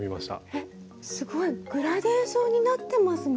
えっすごいグラデーションになってますね。